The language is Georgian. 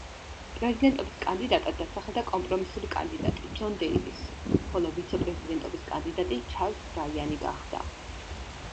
პრეზიდენტობის კანდიდატად დასახელდა კომპრომისული კანდიდატი ჯონ დეივისი, ხოლო ვიცე-პრეზიდენტობის კანდიდატი ჩარლზ ბრაიანი გახდა.